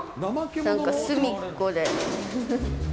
なんか隅っこで。